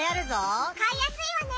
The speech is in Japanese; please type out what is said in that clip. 買いやすいわね！